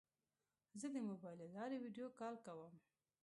زه د موبایل له لارې ویدیو کال کوم.